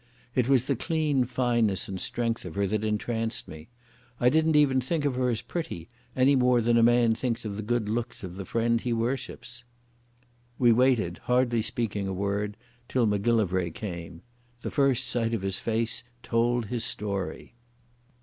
It was the clean fineness and strength of her that entranced me. I didn't even think of her as pretty, any more than a man thinks of the good looks of the friend he worships. We waited, hardly speaking a word, till Macgillivray came. The first sight of his face told his story.